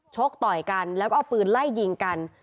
กต่อยกันแล้วก็เอาปืนไล่ยิงกัน